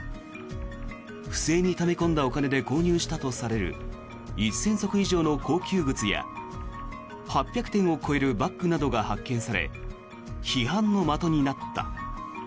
不正にため込んだお金で購入したとされる１０００足以上の高級靴や８００点を超えるバッグなどが発見され批判の的になった。